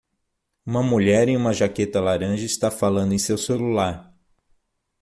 Uma mulher em uma jaqueta laranja está falando em seu celular.